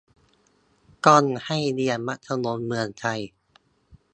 ต้องให้เรียนมัธยมเมืองไทย